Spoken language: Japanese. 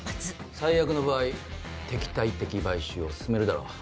最悪の場合敵対的買収を進めるだろう。